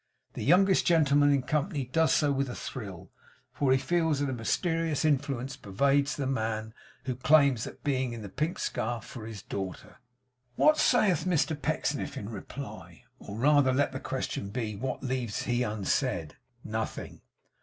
The youngest gentleman in company does so with a thrill; for he feels that a mysterious influence pervades the man who claims that being in the pink scarf for his daughter. What saith Mr Pecksniff in reply? Or rather let the question be, What leaves he unsaid? Nothing.